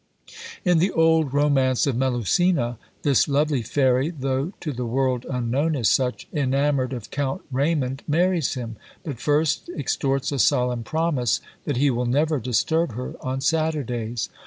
In the old romance of Melusina, this lovely fairy (though to the world unknown as such), enamoured of Count Raymond, marries him, but first extorts a solemn promise that he will never disturb her on Saturdays.